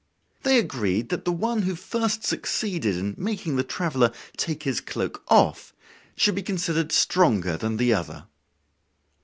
They agreed that the one who first succeeded in making the traveler take his cloak off should be considered stronger than the other.